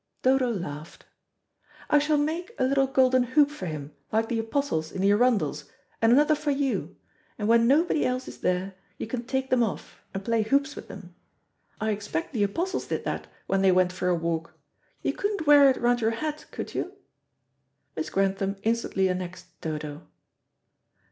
Dodo laughed. "I shall make a little golden hoop for him like the apostles in the Arundels, and another for you, and when nobody else is there you can take them off, and play hoops with them. I expect the apostles did that when they went for a walk. You couldn't wear it round your hat, could you?" Miss Grantham instantly annexed Dodo.